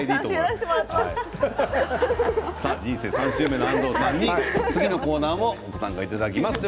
人生３周目の安藤さんに次のコーナーもご参加いただきます。